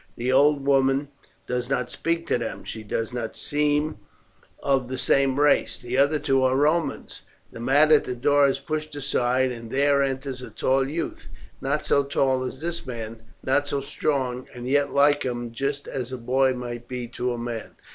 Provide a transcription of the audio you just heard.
The old woman does not speak to them; she does not seem of the same race; the other two are Romans. The mat at the door is pushed aside and there enters a tall youth. Not so tall as this man, not so strong; and yet like him, just as a boy might be to a man.